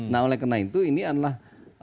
nah oleh karena itu ini adalah